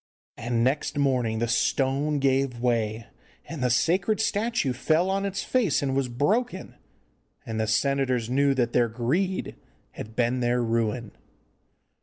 And next morning the stone gave way, and the sacred statue fell on its face and was broken. And the senators knew that their greed had been their ruin.